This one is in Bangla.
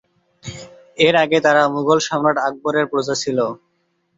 এর আগে তারা মুঘল সম্রাট আকবরের প্রজা ছিল।